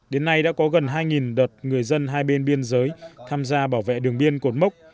đến nay đã có gần hai đợt người dân hai bên biên giới tham gia bảo vệ đường biên cột mốc